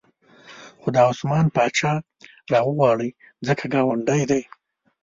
خو دا عثمان جان پاچا راوغواړئ ځکه ګاونډی دی.